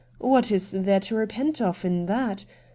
What is there to repent of in that